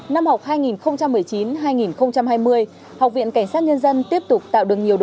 năm học hai nghìn một mươi chín hai nghìn hai mươi học viện cảnh sát nhân dân tiếp tục tạo được nhiều